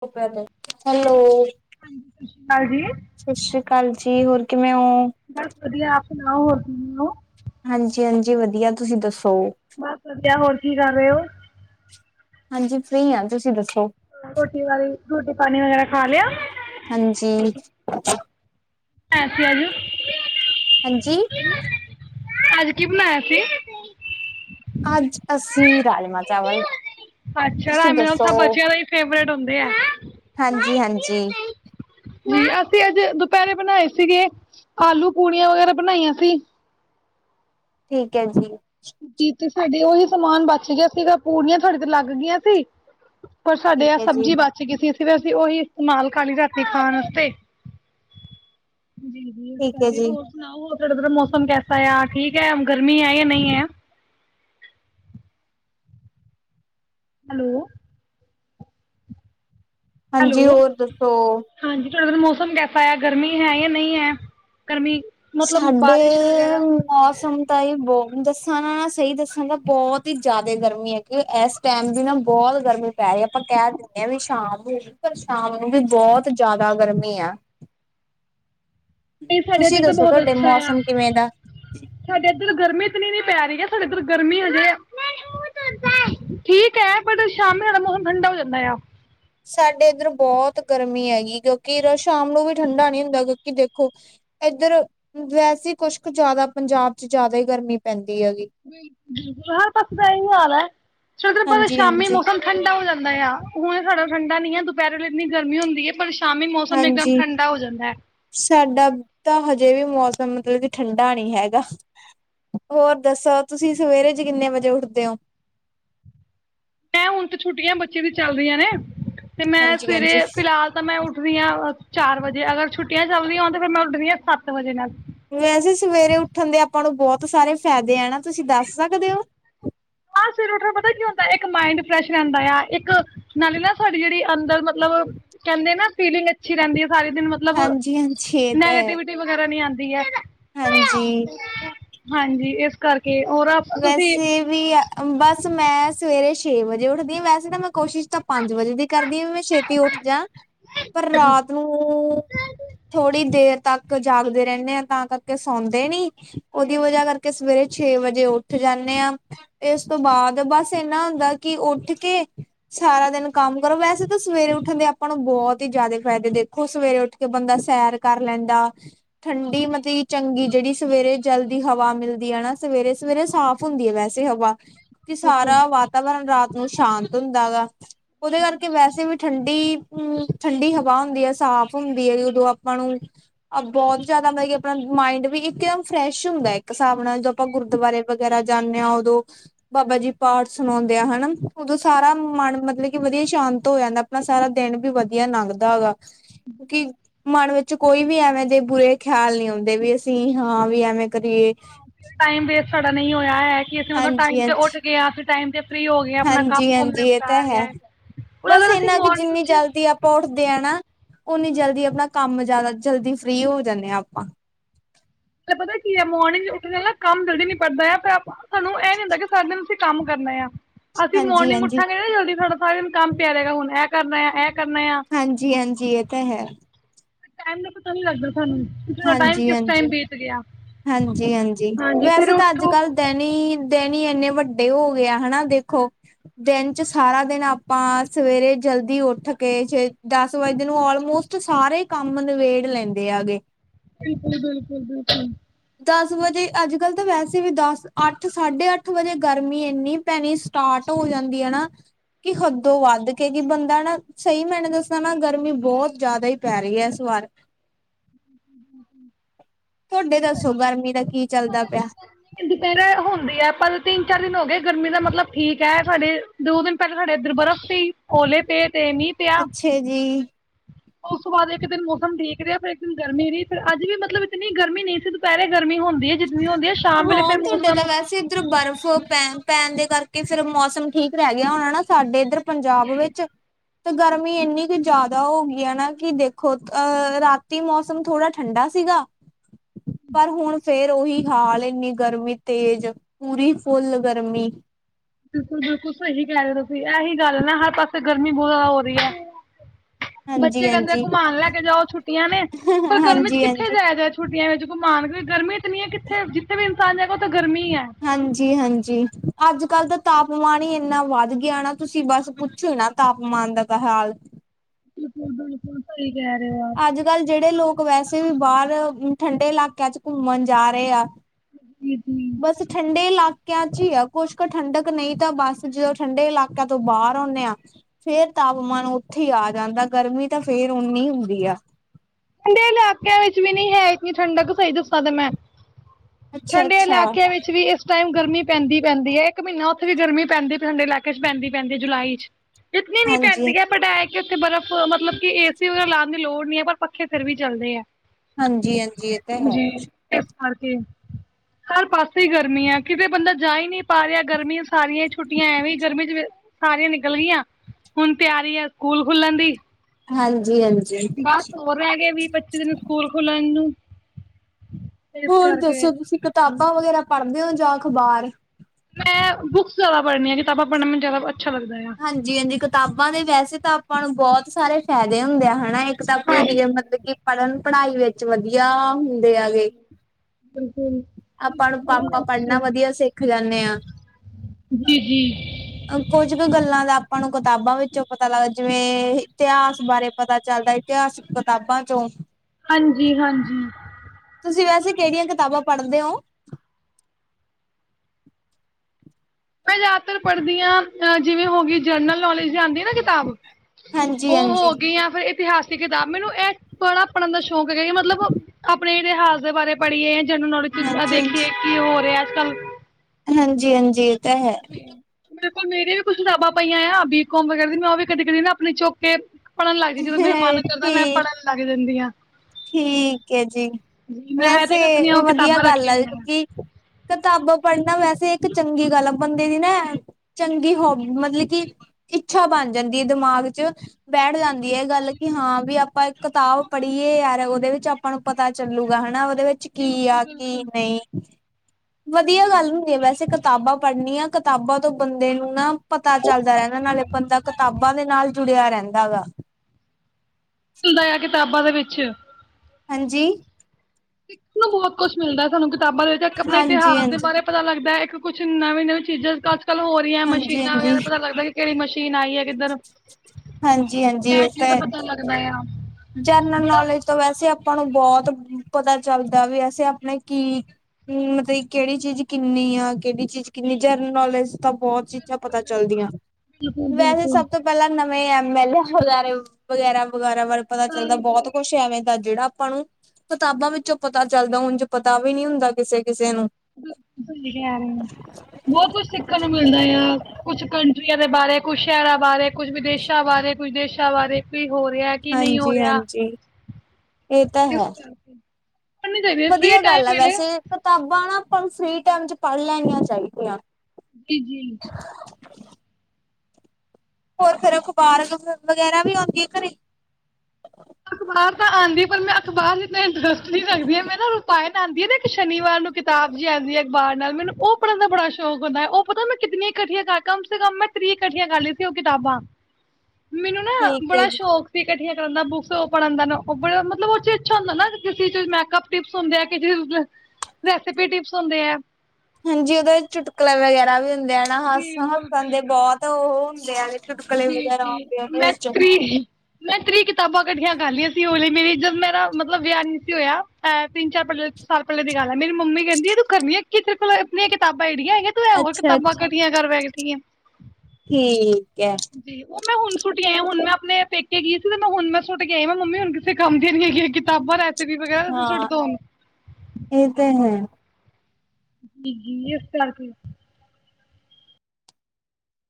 ਧੁੱਪ ਆ, ਤੇ ਹੈਲੋ, ਹਾਂਜੀ ਸਤਿ ਸ਼੍ਰੀ ਅਕਾਲ ਜੀ। ਸਤਿ ਸ੍ਰੀ ਅਕਾਲ ਜੀ। ਹੋਰ ਕਿਵੇਂ ਹੋ? ਬਸ ਵਧੀਆ ਆਪ ਸੁਣਾਓ ਹੋਰ ਕਿਵੇਂ? ਹੋ ਹਾਂਜੀ-ਹਾਂਜੀ, ਵਧੀਆ ਤੁਸੀਂ ਦੱਸੋ? ਬਸ ਵਧੀਆ, ਹੋਰ ਕੀ ਕਰ ਰਹੇ ਓ? ਹਾਂਜੀ ਫਰੀ ਆ, ਤੁਸੀਂ ਦੱਸੋ? ਰੋਟੀ -ਪਾਣੀ, ਰੋਟੀ-ਪਾਣੀ ਵਗੈਰਾ ਖਾ ਲਿਆ? ਹਾਂਜੀ। [inaudible] ਹਾਂਜੀ। ਅੱਜ ਕੀ ਬਣਾਇਆ ਸੀ? ਅੱਜ ਅਸੀਂ ਰਾਜਮਾ-ਚਾਵਲ। ਅੱਛਾ ਰਾਜਮਾ-ਚਾਵਲ ਸਭ ਬੱਚਿਆਂ ਦਾ ਹੀ ਫੇਵਰੇਟ ਹੁੰਦੇ ਆ। ਹਾਂਜੀ ਹਾਂਜੀ। ਜੀ ਅਸੀਂ ਅੱਜ ਦੁਪੇਰੇ ਬਣਾਏ ਸੀਗੇ ਆਲੂ- ਪੂੜੀਆਂ ਵਗੈਰਾ ਬਣਾਈਆਂ ਸੀ। ਠੀਕ ਐ ਜੀ। ਤੇ ਸਾਡੇ ਓਹੀ ਸਮਾਨ ਬਚ ਗਿਆ ਸੀਗਾ ਪੂਰੀਆਂ ਸਾਡੇ ਤੇ ਲੱਗ ਗਈਆਂ ਸੀ। ਪਰ ਸਾਡੇ ਠੀਕ ਏ ਹੈ ਜੀ। ਸਬਜ਼ੀ ਬਾਚ ਗੀ ਤੇ ਉਹੀ ਇਸਤੇਮਾਲ ਕਰ ਲਈ ਰਾਤੀ ਖਾਣ ਵਾਸਤੇ ਠੀਕ ਹੈ ਜੀ, ਹੋਰ ਸੁਣਾਓ? ਹੋਰ ਥੋੜਾ- ਥੜਾ ਮੌਸਮ ਕੈਸਾ ਆ ਠੀਕ ਹੈ, ਗਰਮੀ ਐ ਜਾਂ ਨਈ ਐ। ਹੈਲੋ। ਹਾਂਜੀ, ਹੈਲੋ ਹੋਰ ਦੱਸੋ? ਹਾਂਜੀ, ਤੁਹਾਡੇ ਓਥੇ ਮੌਸਮ ਕੈਸਾ ਐ? ਗਰਮੀ ਹੈ ਜਾਂ ਨਈ ਹੈ ਗਰਮੀ। ਮਤਲਬ ਸਾਡੇ ਬਾਰਿਸ਼ ਵਗੈਰਾ ਮੌਸਮ ਤਾਂ ਹੀ ਬੋਤ ਦੱਸਾਂ ਨਾ, ਸਹੀ ਨਾ ਦੱਸਾਂਗਾ ਬੋਤ ਹੀ ਜ਼ਿਆਦਾ ਗਰਮੀ ਐ। ਕਿ ਏਸ ਟੇਮ ਦੀ ਨਾ ਬੋਤ ਗਰਮੀ ਪੈ ਰਹੀ। ਆਪਾਂ ਕੇਹ ਦਿੰਦੇ ਆ ਵੀ ਸ਼ਾਮ ਨੂੰ ਪਰ ਸ਼ਾਮ ਨੂੰ ਵੀ ਬੋਤ ਜਾਦਾ ਗਰਮੀ ਏ। ਨੀ ਸਾਡੇ ਏਥੇ ਤੁਸੀਂ ਤੇ ਤਾਂ ਦੱਸੋ ਬੋਤ ਤੁਹਾਡੇ ਅੱਛਾ ਆ। ਮੌਸਮ ਕਿਵੇਂ ਦਾ ਸਾਡੇ ਇੱਧਰ ਗਰਮੀ ਇਤਨੀ ਨੀ ਪੈ ਰਹੀ ਹੈ ਸਾਡੇ ਏਧਰ ਗਰਮੀ ਹਜੇ ਆ ਠੀਕ ਐ ਪਰ ਸ਼ਾਮ ਵਾਲਾ ਮੌਸਮ ਠੰਡਾ ਹੋ ਜਾਂਦਾ ਆ। ਸਾਡੇ ਏਧਰ ਬੋਤ ਗਰਮੀ ਹੈਗੀ ਕਿਉਂਕਿ ਸ਼ਾਮ ਨੂੰ ਵੀ ਠੰਢਾ ਨੀ ਹੁੰਦਾ ਕਿਉਂਕਿ ਦੇਖੋ ਏਧਰ ਵੈਸੇ ਕੁਛ ਕੁ ਜਾਦਾ ਪੰਜਾਬ ਚ ਜਾਦਾ ਹੀ ਗਰਮੀ ਪੈਂਦੀ ਹੈਗੀ। ਬਿਲਕੁਲ-ਬਿਲਕੁਲ, ਹਰ ਪਾਸੇ ਦਾ ਏਹੀ ਹਾਲ ਏ ਚ ਹਾਂਜੀ ਸ਼ਾਮੀ ਹਾਂਜੀ ਮੌਸਮ ਠੰਡਾ ਹੋ ਜਾਂਦਾ ਆ। ਹੁਣ ਸਾਡਾ ਠੰਡਾ ਨੀ ਏ ਦੁਪੇਰ ਵੇਲੇ ਇੰਨੀ ਗਰਮੀ ਹੁੰਦੀ ਐ। ਪਰ ਸ਼ਾਮੀ ਮੌਸਮ ਇਕਦਮ ਹਾਂਜੀ ਠੰਡਾ ਹੋ ਜਾਂਦਾ ਏ। ਸਾਡਾ ਤਾਂ ਹਜੇ ਵੀ ਮੌਸਮ ਮਤਲਬ ਕਿ ਠੰਡਾ ਨੀ ਹੈਗਾ। ਹੋਰ ਦੱਸੋ ਤੁਸੀਂ ਸਵੇਰੇ ਚ' ਕਿੰਨੇ ਵਜੇ ਉੱਠਦੇ ਓ? ਮੈਂ ਹੁਣ ਤੇ ਛੁੱਟੀਆਂ ਬੱਚੇ ਦੀ ਚੱਲਦੀਆਂ ਨੇ ਤੇ ਮੈਂ ਸਵੇਰੇ ਹਾਂਜੀ-ਹਾਂਜੀ ਫਿਲਹਾਲ ਤਾਂ ਮੈਂ ਉੱਠਦੀ ਆ ਚਾਰ ਵਜੇ ਅਗਰ ਛੁੱਟੀਆਂ ਚੱਲਦੀਆਂ ਹੋਣ ਤੇ ਫਿਰ ਮੈਂ ਉੱਠਦੀ ਆ ਸੱਤ ਵਜੇ ਨਾਲ। ਵੈਸੇ ਸਵੇਰੇ ਉੱਠਣ ਦੇ ਆਪਾਂ ਨੂੰ ਬੋਤ ਸਾਰੇ ਫ਼ਾਇਦੇ ਆ ਨਾ ਤੁਸੀਂ ਦੱਸ ਸਕਦੇ ਓ। ਹਾਂ ਸਵੇਰੇ ਉੱਠਣ ਪਤਾ ਕੀ ਹੁੰਦਾ ਏਕ ਮਾਇੰਡ ਫਰੈਸ਼ ਰੇਂਦਾ ਯਾਂ। ਏਕ ਨਾਲੇ ਨਾ ਸਾਡੀ ਜਿੜੀ ਅੰਦਰ ਮਤਲਬ ਮਤਲਬ ਕੇਂਦੇ ਨਾ ਫੀਲਿੰਗ ਅੱਛੀ ਰੇਂਦੀ ਏ। ਸਾਰੇ ਦਿਨ ਮਤਲਬ ਹਾਂਜੀ-ਹਾਂਜੀ ਇਹ ਤਾਂ ਹੈ ਨੈਗੇਟਿਵਿਟੀ ਨੀ ਵਗੈਰਾ ਨੀ ਆਂਦੀ ਰੈਗੀ। ਹਾਂਜੀ। ਹਾਂਜੀ, ਇਸ ਕਰਕੇ ਔਰ ਆਪ ਵੈਸੇ ਵੀ ਬਸ ਮੈਂ ਸਵੇਰੇ ਛੇ ਵਜੇ ਉੱਠਦੀ ਆ। ਵੈਸੇ ਤਾਂ ਮੈਂ ਕੋਸ਼ਿਸ਼ ਤਾਂ ਪੰਜ ਵਜੇ ਦੀ ਕਰਦੀ ਆ ਵੈਸੇ ਮੈਂ ਛੇ ਤੇ ਉੱਠ ਜਾ। ਪਰ ਰਾਤ ਨੂੰ ਥੋੜ੍ਹੀ ਦੇਰ ਤੱਕ ਜਾਗਦੇ ਰੇਂਦੇ ਆ ਤਾਂ ਕਰਕੇ ਸੌਂਦੇ ਨੀ ਉਹਦੀ ਵਜ੍ਹਾ ਕਰਕੇ, ਸਵੇਰੇ ਛੇ ਵਜੇ ਉੱਠ ਜਾਂਦੇ ਹਾਂ। ਤੇ ਇਸ ਤੋਂ ਬਾਅਦ, ਬਸ ਇੰਨਾ ਹੁੰਦਾ ਕਿ ਉੱਠ ਕੇ ਸਾਰਾ ਦਿਨ ਕੰਮ ਕਰੋ, ਵੈਸੇ ਤਾਂ ਸਵੇਰੇ ਉੱਠਣ ਦੇ ਆਪਾਂ ਨੂੰ ਬੋਤ ਈ ਜ਼ਾਦੇ ਫੈਦੇ, ਦੇਖੋ ਸਵੇਰੇ ਉੱਠ ਕੇ ਬੰਦਾ, ਸੈਰ ਕਰ ਲੈਂਦਾ। ਠੰਡੀ ਮਤਲਬ 'ੲ ਚੰਗੀ, ਜੇੜੀ ਸਵੇਰੇ ਜਲਦੀ ਹਵਾ ਮਿਲਦੀ ਐ ਨਾ ਸਵੇਰੇ ਸਵੇਰੇ ਸਾਫ਼ ਹੁੰਦੀ ਐ ਵੈਸੇ ਹਵਾ, ਕਿ ਸਾਰਾ ਵਾਤਾਵਰਨ ਰਾਤ ਨੂੰ ਸ਼ਾਂਤ ਹੁੰਦਾ ਗਾ। ਉਦੇ ਕਰਕੇ ਵੈਸੇ ਵੀ ਠੰਡੀ ਠੰਡੀ ਹਵਾ ਹੁੰਦੀ ਐ, ਸਾਫ਼ ਹੁੰਦੀ ਐ, ਜਦੋਂ ਆਪਾਂ ਨੂੰ ਬੋਤ ਜਾਦਾ, ਬਈ ਮਤਲਬ ਕਿ ਆਪਣਾ ਮਾਇੰਡ ਵੀ ਇੱਕਦਮ ਫਰੈਸ਼ ਹੁੰਦਾ, ਇੱਕ ਹਿਸਾਬ ਨਾਲ ਜੋ ਆਪਾਂ ਗੁਰ ਦਵਾਰੇ ਵਗੈਰਾ ਜਾਨੇ ਆਂ, ਔਦੋਂ ਬਾਬਾ ਜੀ ਪਾਠ ਸੁਣਾਉਂਦੇ ਆ ਹਨਾ, ਉਦੋਂ ਸਾਰਾ ਮਨ ਮਤਲਬ ਕਿ, ਵਧੀਆ ਸ਼ਾਂਤ ਹੋ ਜਾਂਦਾ ਐ। ਮ ਸਾਰਾ ਦਿਨ ਵੀ ਵਧੀਆ ਲੰਘਦਾ ਵਾ, ਕਿਉਂਕਿ ਮਨ ਵਿੱਚ ਕੋਈ ਵੀ ਐਵੇਂ ਦੇ ਬੁਰੇ ਖਿਆਲ ਨੀ ਆਉਂਦੇ, ਵੀ ਅਸੀਂ ਹਾਂ ਵੀ ਐਵੇਂ ਕਰੀਏ। ਟਾਈਮ ਵੇਸਟ ਸਾਡਾ ਨਈ ਹੋਇਆ ਹੈ, ਕਿ ਅਸੀਂ ਮਤਲਬ ਟਾਈਮ ਹਾਂਜੀ ਤੇ ਹਾਂਜੀ ਔਠ ਗਏ ਆਂ ਫਿਰ ਟਾਈਮ ਤੇ ਫਰੀ ਹੋ ਗੇ ਆ, ਆਪਣਾ ਕੰਮ ਹਾਂਜੀ ਕੁੱਮ ਹਾਂਜੀ ਇਹ ਨਿਪਟਾ ਤਾਂ ਲੇਆ ਹੈ ਐ, ਬਸ ਅਗਰ ਅਸੀ ਇੰਨਾ ਕਿ ਮੋਰਨਿੰਗ ਜਿੰਨੀ 'ਚ ਜਲਦੀ ਆਪਾਂ ਉੱਠਦੇ ਆ ਨਾ, ਓਨੀ ਜਲਦੀ ਆਪਣਾ ਕੰਮ ਜਾਦਾ ਜਲਦੀ ਫਰੀ ਹੋ ਜਾਂਨੇ ਆਂ ਆਪਾਂ। ਤੇ ਪਤਾ ਕੀ ਐ, ਮੋਰਨਿੰਗ 'ਚ ਉੱਠਣ ਨਾਲ ਨਾ ਕੰਮ ਜਲਦੀ ਨੀਪਟਦਾ ਹੈ, ਪਰ ਆਪਾਂ ਸਾਨੂੰ ਐ ਨੀ ਹੁੰਦਾ ਕਿ ਸਾਰਾ ਦਿਨ ਕੰਮ ਕਰਨਾ ਆ, ਅਸੀਂ ਹਾਂਜੀ ਮੋਰਨਿੰਗ ਹਾਂਜੀ ਉੱਠਾਂਗੇ ਨਾ ਜਲਦੀ ਸਾਡਾ ਸਾਰ ਦਿਨ ਕੰਮ ਪਿਆ ਰੇਗਾ, ਹੁਣ ਐ ਕਰਨਾ ਆ, ਐ ਕਰਨਾ ਯਾਂ। ਹਾਂਜੀ-ਹਾਂਜੀ, ਐ ਤਾਂ ਹੈ। ਟੈਮ ਦਾ ਪਤਾ ਨੀ ਲੱਗਦਾ ਤਾਨੂੰ, ਤਾਡਾ ਟੈਮ ਕਿਸ ਟਾਈਮ ਬਿਤ ਗਿਆ। ਹਾਂਜੀ-ਹਾਂਜੀ, ਹਾਂਜੀ ਫਿਰ ਵੈਸੇ ਤਾਂ ਅੱਜ-ਕੱਲ੍ਹ ਉੱਠੋ ਦੈਣੀ, ਦੈਣੀ ਇੰਨੇ ਵੱਡੇ ਹੋ ਗਏ ਆ ਹਨਾ, ਦੇਖੋ। ਦੇਨ 'ਚ ਸਾਰਾ ਦੇਨ, ਆਪਾਂ ਸਵੇਰੇ ਜਲਦੀ ਔਠ ਕੇ, ਜੇ ਦਸ ਵਜੇ ਨੂੰ ਔਲਮੋਸਟ ਸਾਰੇ ਕੰਮ, ਨਿਬੇੜ ਲੈਂਦੇ ਆਗੇ। ਬਿਲਕੁਲ-ਬਿਲਕੁਲ, ਬਿਲਕੁਲ। ਦਾਸ ਵਜੇ, ਅੱਜ-ਕੱਲ੍ਹ ਤਾਂ ਵੈਸੇ ਵੀ ਦਾਸ-ਆਠ, ਸਾਢੇ ਆਠ ਵਜੇ ਗਰਮੀ ਏੱਨੀ ਪੈਣੀ ਸਟਾਰਟ ਹੋ ਜਾਂਦੀ ਐ, ਨਾ ਕਿ ਹੱਦੋਂ ਵੱਧ ਕੇ ਕੀ ਬੰਦਾ ਨਾ, ਸਹੀ ਮੈਨੇ ਦੱਸਾ ਨਾ ਗਰਮੀ ਬੋਤ ਜ਼ਾਦਾ ਈ ਪੈ ਰਈ ਐ, ਇਸ ਵਾਰ। [inaudible] ਸੋ ਗਰਮੀ ਦਾ, ਕੀ ਚੱਲਦਾ ਪਿਆ? ਦੁਪੈਰੇ ਹੁੰਦੀ ਐ, ਪਰ ਤਿੰਨ-ਚਾਰ ਦਿਨ ਹੋ ਗਏ, ਗਰਮੀ ਦਾ ਮਤਲਬ ਠੀਕ ਹੈ ਸਾਡੇ ਦੋ ਦਿਨ ਪੈਲਾਂ, ਸਾਡੇ ਏੱਧਰ ਬਰਫ਼ ਪੀ, ਔਲੇ ਪੇ, ਤੇ ਮੀਂਹ ਅੱਛਾ ਜੀ। ਔਸ ਤੋਂ ਬਾਦ ਏਕ ਦੇਨ ਮੌਸਮ ਠੀਕ ਰਿਆ, ਫੇਰ ਏਕ ਦਿਨ ਗਰਮੀ ਰੀ, ਫੇਰ ਅੱਜ ਵੀ ਮਤਲਬ ਇਤਨੀ ਗਰਮੀ ਨੀ ਸੀ। ਦੁਪੈਰੇ ਗਰਮੀ ਹੁੰਦੀ ਏ, ਜਿੱਯਨੀ ਹੁੰਦੀ ਏ, ਸ਼ਾਮ ਵੇਲੇ ਫੇਰ ਮੌਸਮ ਇਧਰ ਬਰਫ਼ ਪੈ ਪੈਣ ਦੇ ਕਰਕੇ ਫਿਰ ਮੌਸਮ ਠੀਕ ਰੈ ਗਿਆ ਹੋਣਾ ਨਾ, ਸਾਡੇ ਏਧਰ ਪੰਜਾਬ ਜੀ ਵਿੱਚ ਤੇ ਗਰਮੀ ਏਨੀ ਕੁ ਜ਼ਾਦਾ ਹੋ ਗੀ ਏ ਨਾ, ਕਿ ਦੇਖੋ ਅ ਰਾਤੀ ਮੌਸਮ ਥੋੜ੍ਹਾ ਠੰਡਾ ਸੀਗਾ, ਪਰ ਹੁਣ ਫੇਰ ਔਹੀ ਹਾਲ ਏਨੀ ਗਰਮੀ ਤੇਜ਼, ਪੂਰੀ ਫੁੱਲ ਗਰਮੀ। ਬਿਲਕੁਲ-ਬਿਲਕੁਲ ਸਹੀ ਕੈ ਰੇ ਔ ਤੁਸੀਂ, ਐਹੀ ਗੱਲ ਨਾ, ਹਰ ਪਾਸੇ ਗਰਮੀ ਬੋਤ ਜ਼ਾਦਾ ਹੋ ਰਹੀ ਐ। ਹਾਂਜੀ ਬੱਚੇ ਕੈਂਦੇ ਆ ਹਾਂਜੀ ਕੁਮਾਨ ਲੈ ਕੇ ਜਾਔ, ਛੁੱਟੀਆਂ ਨੇ, ਪਰ ਗਰਮੀ 'ਚ ਹਾਂਜੀ ਹਾਂਜੀ ਕਿੱਥੇ ਜਾਯਾਂ ਜਾ ਛੁਟਿਆਂ ਵਿੱਚ ਕੁਮਾਨ ਕਿਉ ਕਿ ਗਰਮੀ ਇਤਨੀ, ਕਿੱਥੇ-ਜਿੱਥੇ ਵੀ ਇਨਸਾਨ ਜਾਏਗਾ ਉਥੇ ਗਰਮੀ ਈ ਐ। ਹਾਂਜੀ-ਹਾਂਜੀ, ਅੱਜ-ਕੱਲ੍ਹ ਤਾਂ ਤਾਪਮਾਨ ਹੀ ਇੰਨਾ ਵੱਧ ਗਿਆ ਨਾ, ਤੁਸੀਂ ਬਸ ਪੁੱਛੋ ਨਾ। ਤਾਪਮਾਨ ਦਾ ਤਾਂ ਹਾਲ ਬਿਲਕੁਲ-ਬਿਲਕੁਲ ਸਈ ਕੇ ਰੇ ਐ। ਅੱਜ-ਕੱਲ੍ਹ ਜੇੜੇ ਲੋਕ ਵੈਸੇ ਵੀ, ਬਾਰ ਠੰਡੇ ਇਲਾਕੇਆਂ ਚ ਘੁੰਮਨ ਜਾ ਰੇ ਐ। [unintelligible] ਬਸ ਠੰਡੇ ਇਲਾਕੇਆਂ ਚ ਈ ਆ ਕੁਛ ਕ ਠੰਡਕ, ਨਈ ਤਾਂ ਬੱਸ 'ਚ ਜਦ ਠੰਡੇ ਇਲਾਕੇਆਂ ਤੋਂ ਬਾਰ ਆਉਂਨੇ ਆ। ਫੇਰ ਤਾਪਮਾਨ ਓਥੇ ਈ ਆ ਜਾਂਦਾ, ਗਰਮੀ ਤਾਂ ਫੇਰ ਉਨੀਂ ਹੁੰਦੀ ਆ। ਠੰਡੇ ਇਲਾਕੇਆਂ ਵਿੱਚ ਵੀ ਨੀ, ਹੈ ਇਤਨੀ ਠੰਡਕ ਸਈ ਦੱਸਾਂ ਤੇ ਮੈਂ। ਠੰਡੇ ਅੱਛਾ-ਅੱਛਾ, ਇਲਾਕੇਆਂ ਵਿੱਚ ਵੀ ਇਸ ਟਾਈਮ ਗਰਮੀ ਪੈਂਦੀ- ਪੈਂਦੀ ਏ, ਇੱਕ ਮਹੀਨਾ ਓਥੇ ਵੀ ਗਰਮੀ ਪੈਂਦੀ, ਠੰਡੇ ਇਲਾਕੇ ਚ, ਪੈਂਦੀ- ਪੈਂਦੀ ਜੁਲਾਈ 'ਚ ਇਤਨੀ ਨੀਂ ਹਾਂਜੀ। ਪੈਂਦੀ ਐ, ਬਟ ਏਹ ਐ ਕਿ ਉੱਥੇ ਬਰਫ਼ ਮਤਲਬ ਕਿ, ਏਸੀ ਵੈਰਾ ਲਾਣ ਦੀ ਲੋੜ ਨਈ ਐ ਪਰ ਪੱਖੇ, ਫੇਰ ਵੀ ਚੱਲਦੇ ਐ। ਹਾਂਜੀ -ਹਾਂਜੀ, ਏਹ ਤਾਂ ਹੈ। ਏਸ ਕਰਕੇ ਹਰ ਪਾਸੇ ਈ ਗਰਮੀ ਐ, ਕਿਤੇ ਬੰਦਾ ਜਾ ਈ ਨੀਂ ਪਾ ਰਿਆ, ਗਰਮੀ ਸਾਰੀਆਂ ਈ, ਛੁੱਟੀਆਂ ਐਵੇਂ ਈ ਗਰਮੀ ਚ ਸਾਰੀਆਂ ਨਿਕਲ ਗੀਆਂ, ਹੁਣ ਤਿਆਰੀ ਐ ਸਕੂਲ ਖੁੱਲਣ ਦੀ। ਹਾਂਜੀ- ਹਾਂਜੀ। ਬਸ, ਹੋਰ ਰੈਹ ਗਏ ਵੀਹ -ਪੱਚੀ ਦਿਨ, ਸਕੂਲ ਖੁਲਣ ਨੂੰ। ਇਸ ਹੋਰ ਦੱਸੋ ਕਰਕੇ ਤੁਸੀ ਕਿਤਾਬਾਂ, ਵਗੈਰਾ ਪੜ੍ਹਦੇ ਓ ਜਾਂ ਅਖਬਾਰ ਮੈਂ ਬੁੱਕਸ ਜਾਦਾ ਪੜਨੀ ਆਂ, ਕਿਤਾਬਾਂ ਪੜ੍ਹਨਾ ਮੈਨੂੰ ਜਾਦਾ ਅੱਛਾ ਲੱਗਦੈ ਆ। ਹਾਂਜੀ- ਹਾਂਜੀ, ਕਿਤਾਬਾਂ ਦੇ ਵੈਸੇ ਤਾਂ, ਆਪਾਂ ਨੂੰ ਬੌਤ ਸਾਰੇ ਫਾਏਦੇ ਹੁੰਦੇ ਆ ਹੈਨਾ ਬਸ ਆਪਨੀ ਹਾਂਜੀ [unintelligible] ਮਤਲਬ ਕਿ ਪੜ੍ਹਨ- ਪੜ੍ਹਾਈ ਵਿੱਚ ਵਧੀਆ। ਹੁੰਦੇ ਆ ਗੇ, ਬਿਲਕੁਲ ਆਪਾਂ ਨੂੰ ਬਹੁਤ ਪਾਪਾ ਪੜ੍ਹਨਾ ਅੱਛਾ ਵਧੀਆ ਸਿੱਖ ਜਾਂਨੇ ਆਂ। ਜੀ -ਜੀ। ਕੁਝ ਕ ਗੱਲਾਂ ਦਾ ਆਪਾਂ ਨੂੰ ਕਤਾਬਾਂ ਵਿੱਚੋਂ ਪਤਾ ਲੱਗ ਜਿਵੇਂ ਤਿਹਾਸ ਬਾਰੇ ਪਤਾ ਚੱਲਦਾ, ਇਤਿਹਾਸਕ ਕਿਤਾਬਾਂ ਚੋਂ ਹਾਂਜੀ- ਹਾਂਜੀ। ਤੁਸੀਂ ਵੈਸੇ, ਕੇਹੜੀਆਂ ਕਿਤਾਬਾਂ ਪੜ੍ਹਦੇ ਓ? ਮੈਂ ਜੈਅਦਾਤਰ ਪੜ੍ਹਦੀ ਆਂ ਅ ਜਿਵੇਂ ਹੋ ਗੀ ਜਰਨਲ ਨੌਲੇਜ ਜਾ ਆਂਦੀ ਐ ਨਾ ਕਿਤਾਬ ਹਾਂਜੀ ਓ ਹਾਂਜੀ ਹੋ ਗਈਆਂ, ਫਿਰ ਇਤਿਹਾਸਿਕ ਕਿਤਾਬ ਮੈਨੂੰ ਏਹ ਬੜਾ ਪੜ੍ਹਨ ਦਾ ਸ਼ੌਂਕ ਹੈਗਾ, ਮਤਲਬ ਆਪਣੇ ਇਤੇਹਾਸ ਦੇ ਬਾਰੇ ਪੜ੍ਹੀ, ਜਨਰਲ ਨੌਲਜ ਚੀਜਾਂ ਹਾਂਜੀ ਦੇਖੀਏ। ਹਾਂਜੀ ਕੀ ਹੋ ਰੇਆ ਅੱਜ ਕੱਲ੍ਹ? ਹਾਂਜੀ- ਹਾਂਜੀ, ਏਹ ਤਾਂ ਹੈ। ਮੇਰੇ ਕੋਲ ਮੇਰੀ ਵੀ, ਕੁਛ ਕਿਤਾਬਾਂ ਪਈਆਂ ਆ, ਬੀ-ਕੋਮ ਵਗੈਰਾ ਦੀ, ਮੈਂ ਓ ਵੀ ਕਦੀ- ਕਦੀ ਨਾ ਆਪਣੀ ਚੁੱਕ ਕੇ ਪੜ੍ਹਨ ਲੱਗ ਜਾਂਦੀ ਆ, ਜਦੋਂ ਮੇਰਾ ਮਨ ਕਰਦਾ ਮੈਂ ਠੀਕ ਪੜ੍ਹਨ ਲੱਗ ਜਾਂਦੀ ਆਂ ਠੀਕ ਐ ਜੀ, ਮੈਂ ਹਜੇ ਤੱਕ ਵੈਸੇ ਆਪਣੀਆਂ ਉਹ ਵਧੀਆ ਕਿਤਾਬਾਂ ਗੱਲ ਰੱਖੀਆਂ ਆ ਹੋਈਆਂ ਕਿਉਂਕਿ ਕਿਤਾਬਾਂ ਪੜ੍ਹਨਾ, ਵੈਸੇ ਇੱਕ ਚੰਗੀ ਗੱਲ ਆ, ਬੰਦੇ ਦੀ ਨਾ ਚੰਗੀ ਹੋਬ, ਮਤਲਬ ਕਿ, ਇੱਛਾ ਬਨ ਜਾਂਦੀ ਐ ਦਿਮਾਗ ਚ ਬੈਠ ਜੀ ਜਾਂਦੀ ਐ ਏਹ ਬਿਲਕੁਲ ਗੱਲ ਬਿਲਕੁਲ ਕਿ, ਹਾਂ ਵੀ ਆਪਾਂ ਇੱਕ ਕਤਾਬ ਪੜ੍ਹੀਏ ਅੱ ਉਦੇ ਵਿੱਚ ਆਪਾਂ ਨੂੰ ਪਤਾ ਚੱਲੂਗਾ, ਹੈਨਾ ਉਦੇ ਵਿੱਚ ਕੀ ਬਿਲਕੁਲ ਆ ਕੀ ਬਿਲਕੁਲ ਨਈ ਵਧੀਆ ਜੀ ਗੱਲ ਜੀ ਹੁੰਦੀ ਹੈ। ਵੈਸੇ ਕਿਤਾਬਾਂ ਪੜਨੀਆਂ, ਕਿਤਾਬਾਂ ਤੋਂ ਬੰਦੇ ਨੂੰ ਨਾ ਪਤਾ ਬਹੁਤ ਚੱਲਦਾ ਕੁਛ ਰੈਂਦਾ ਨਾਲੇ, ਸਿੱਖਣ ਨੂੰ ਬੰਦਾ ਮਿਲਦਾ ਆ ਕਿਤਾਬਾਂ ਦੇ ਨਾਲ ਜੁੜੇਆ ਰੈੰਦਾ ਗਾ। ਹੁੰਦੈ ਆ ਕਿਤਾਬਾਂ ਦੇ ਵਿੱਚ ਹਾਂਜੀ। ਸਿੱਖਣ ਨੂੰ ਬੌਤ ਕੁਛ ਮਿਲਦਾ ਸਾਨੂੰ, ਕਿਤਾਬਾਂ ਦੇ ਵਿਚ ਆਪਣਾ ਹਾਂਜੀ ਇਤਿਹਾਸ ਦੇ ਹਾਂਜੀ ਬਾਰੇ ਪਤਾ ਲੱਗਦਾ ਇੱਕ ਕੁੱਛ ਨਵੀ-ਨਵੀਂ ਚੀਜ਼ਾਂ ਅੱਜਕੱਲ ਹੋ ਰਹੀਆਂ ਹਾਂਜੀ ਮਸ਼ੀਨਾਂ ਹਾਂਜੀ ਵਗੈਰਾ ਪਤਾ ਲੱਗਦਾ ਕਿਹੜੀ ਮਸ਼ੀਨ ਆਈ ਐ ਕਿੱਧਰ ਹਾਂਜੀ ਹਾਂਜੀ ਇਹ ਇਹ ਚੀਜ਼ ਦਾ ਤਾਂ ਪਤਾ ਲੱਗਦਾ ਆ ਜਨਰਲ ਬੜਾ ਨੌਲੱਜ ਤੋਂ ਵੈਸੇ ਆਪਾਂ ਨੂੰ ਬੋਤ ਪਤਾ ਚੱਲਦਾ ਵੀ ਵੈਸੇ ਆਪਣੇ ਕੀ ਹਂ ਮਤਲਬ ਕਿਹੜੀ ਚੀਜ਼ ਕਿੰਨੀ ਆ, ਕਿਹੜੀ ਚੀਜ਼ ਕਿੰਨੀ ਜਨਰਲ ਨੌਲੇਜ ਤਾਂ ਬਹੁਤ ਚੀਜ਼ਾਂ ਪਤਾ ਬਿਲਕੁਲ ਬਿਲਕੁਲ ਚੱਲਦੀਆਂ ਬਿਲਕੁਲ ਵੈਸੇ ਬਿਲਕੁਲ ਸਭ ਤੋਂ ਪਹਿਲਾਂ ਨਵੇਂ ਐਮ ਐਲ ਏ ਵਗੈਰਾ, ਵਗੈਰਾ, ਵਗੈਰਾ ਵਰ ਪਤਾ ਚੱਲਦਾ ਬਹੁਤ ਹਾਂਜੀ ਕੁੱਛ ਐਵੇਂ ਤਾਂ ਜਿਹੜਾ ਆਪਾਂ ਨੂੰ ਕਿਤਾਬਾਂ ਵਿੱਚੋਂ ਪਤਾ ਚੱਲਦਾ ਉੰਝ ਪਤਾ ਵੀ ਨਈਂ ਹੁੰਦਾ ਕਿਸੇ-ਕਿਸੇ ਨੂੰ [unintelligible] ਕੇ ਆ ਰੇ ਨੇ ਬਹੁਤ ਕੁਝ ਸਿੱਖਣ ਨੂੰ ਮਿਲਦਾ ਆ ਕੁਛ ਕੰਟਰੀਆਂ ਦੇ ਬਾਰੇ, ਕੁਛ ਸ਼ਹਿਰਾਂ ਬਾਰੇ, ਕੁਛ ਵਿਦੇਸ਼ਾਂ ਬਾਰੇ, ਕੁਛ ਦੇਸ਼ਾਂ ਬਾਰੇ ਕੀ ਹੋ ਰਿਆ ਕੀ ਨਈ ਹੋ ਹਾਂਜੀ ਰਿਆ ਹਾਂਜੀ ਇਹ ਤਾਂ ਕਿਸ ਹੈ ਟਾਇਮ, ਪੜਨੀ ਚਾਈਦੀ ਐ। ਫਰੀ ਵਧੀਆ ਟਾਈਮ ਗੱਲ ਆ ਮਿਲੇ ਵੈਸੇ ਕਿਤਾਬਾਂ ਨਾ ਆਪਾਂ ਨੂੰ ਫਰੀ ਟਾਈਮ ਚ ਪੜ੍ਹ ਲੈਣੀਆਂ ਚਾਹੀਦੀਆਂ। ਕਿ ਜੀ। ਹੋਰ ਫੇਰ ਅਖ਼ਬਾਰ ਵਗੈਰਾ ਵੀ ਆਉਂਦੀ ਐ ਘਰੇ। ਅਖ਼ਬਾਰ ਤਾਂ ਆਂਦੀ ਪਰ ਮੈਂ ਅਖਬਾਰ ਇ ਇੰਟਰਸਟ ਨੀ ਰੱਖਦੀ ਮੈਂ ਨਾ ਰੁਪਾਇਣ ਆਂਦੀ ਐ ਨਾਂ ਇਕ ਸ਼ਨੀਵਾਰ ਨੂੰ ਕਿਤਾਬ ਜੀ ਆਂਦੀ, ਅਖਬਾਰ ਨਾਲ ਮੈਨੂੰ ਉਹ ਪੜ੍ਹਨ ਦਾ ਬੜਾ ਸ਼ੌਂਕ ਹੁੰਦਾ ਐ ਉਹ। ਪਤਾ ਮੈਂ ਕਿਤਨੀਆਂ ਇਕੱਠੀਆਂ ਕਰ, ਕਮ ਸੇ ਕਮ ਮੈਂ ਤ੍ਰੀਹ ਇਕੱਠੀਆਂ ਕਰ ਲੀਤੀਆਂ ਉਹ ਕਿਤਾਬਾਂ। ਮੈਨੂੰ ਨਾ ਠੀਕ ਹੈ ਬੜਾ ਜੀ। ਸ਼ੌਕ ਸੀ, ਇਕੱਠੀਆਂ ਕਰਨ ਦਾ ਬੁੱਕਸ। ਉਹ ਪੜਨ ਦਾ ਨਾਂ ਉਹ ਬੜ ਮਤਲਬ ਉਹ ਚ ਅੱਛਾ ਹੁੰਦਾ ਨਾ ਕਿਸੀ ਚ ਮੇਕ ਟਿਪਸ ਹੁੰਦੇ ਆ ਕਿਸੇ ਚ ਰੈਸਪੀ ਟਿਪਸ ਹੁੰਦੇ ਆ। ਹਾਂਜੀ ਉਹਦੇ ਚੁਟਕਲੇ ਵਗੈਰਾ ਵੀ ਹੁੰਦੇ ਆ ਨਾ ਹੱਸਣ ਬਿਲਕੁਲ, ਹੱਸਣ ਦੇ ਬਿਲਕੁਲ ਬਹੁਤ ਉਹ ਹੁੰਦੇ ਆ। ਚੁਟਕਲੇ ਜੀ, ਵਗੈਰਾ ੜਜੀ ਆਉਂਦੇ ਆ ਉਹਦੇ ਮੈਂ ਵਿੱਚ ਤਰੀ ਮੈਂ ਤ੍ਰੀ ਕਿਤਾਬਾਂ ਇਕੱਠੀਆਂ ਕਰ ਲਈਆਂ ਸੀ, ਉਹ ਲੀ ਮੇਰੀ ਜਦ ਮੇਰਾ ਮਤਲਬ ਵਿਆਹ ਨਈਂ ਸੀ ਹੋਇਆ। ਅਹ ਤਿੰਨ-ਚਾਰ ਪਲੇ ਸਾਲ ਪੱਲਲੇ ਦੀ ਗੱਲ ਐ ਮੇਰੀ ਮੰਮੀ ਕੈਂਦੀ ਐ ਤੂੰ ਕਰਨੀਆਂ ਕੀ ਤੇਰੇ ਕੋਲ ਆਪਣੀਆਂ ਕਿਤਾਬਾਂ ਏੜੀਆਂ ਹੈਗੀਆਂ। ਤੂੰ ਏਂ ਹੋਰ ਅੱਛਾ ਕਿਤਾਬਾਂ ਅੱਛਾ ਕੱਠੀਆਂ ਕਰ ਵੇ ਬੈਗਠੀ ਐਂ। ਠੀਕ ਐ। ਜੀ ਉਹ ਮੈਂ ਹੁਣ ਸੁੱਟਈਆਂ ਹੁਣ ਮੈਂ ਆਪਣੇ ਪੇਕੇ ਗਈ ਸੀ ਤੇ ਮੈਂ ਹੁਣ ਮੈਂ ਸੁੱਟ ਕੇ ਆਂਈਂ ਮੈਂ ਮੰਮੀ ਹੁਣ ਕੰਮ ਦੀਆਂ ਨੀਂ ਹੈਗੀਆਂ ਕਿਤਾਬਾਂ ਰੈਸਪੀ ਵਗੈਰਾ ਸੁੱਟ ਹਾਂ ਦੋ ਹੁਣ। ਇਹ ਤੇ ਹੈ। ਕੀ [unintelligible] ਇਸ ਕਰਕੇ।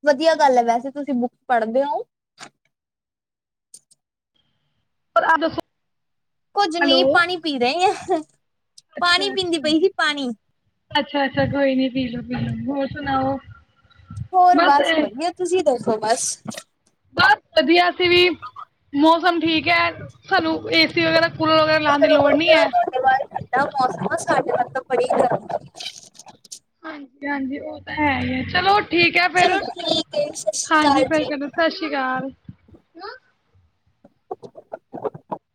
ਵਧੀਆ ਗੱਲ ਐ, ਵੈਸੇ ਤੁਸੀਂ ਬੁੱਕ ਪੜ੍ਹਦੇ ਔਂ। ਪਰ ਅਆ ਦਸੋ। ਕੁੱਝ ਨੀ ਪਾਣੀ ਪੀ ਰਏ ਆ, ਪਾਣੀ ਪੀਂਦੀ ਪਈ ਸੀ ਪਾਣੀ। ਅੱਛਾ-ਅੱਛਾ ਕੋਈ ਨੀ ਪੀਲੋ-ਪੀਲੋ, ਹੋਰ ਸੁਣਾਓ। ਹੋਰ ਬਸ ਵਧੀਆ, ਤੁਸੀਂ ਦਸੋ ਬਸ। ਬਸ ਵਧੀਆ ਅਸੀ ਵੀ। ਮੌਸਮ ਠੀਕ ਐ, ਸਾਨੂੰ ਏਸੀ ਵਗੈਰਾ ਕੂਲਰ ਵਗੈਰਾ ਲਾਣ ਦੀ ਲੋੜ ਨਈਂ ਐ। ਵਾਰ ਤਾਂ ਠੰਡਾ ਮੌਸਮ ਸਾਡੇ ਅੰਦਰ ਬੜੀ ਗਰਮੀ। ਹਾਂਜੀ-ਹਾਂਜੀ ਉਹ ਤਾਂ ਹੈ ਈ ਏ। ਚਲੋ ਠੀਕ ਐ ਫਿਰ, ਚਲੋ ਠੀਕ ਹੈ ਸਤਿ ਸ੍ਰੀ ਹਾਂਜੀ ਅਕਾਲ ਫਿਰ ਜੀ। ਕਦੇ ਸਤਿ ਸ਼੍ਰੀ ਅਕਾਲ। [inaudible]